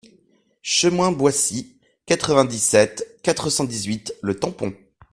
Chemin Boissy, quatre-vingt-dix-sept, quatre cent dix-huit Le Tampon